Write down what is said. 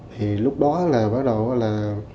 thì lúc đó là bắt đầu là